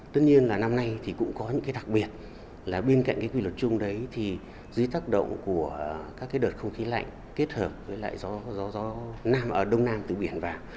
tất nhiên là năm nay thì cũng có những cái đặc biệt là bên cạnh cái quy luật chung đấy thì dưới tác động của các cái đợt không khí lạnh kết hợp với lại gió nam ở đông nam từ biển vào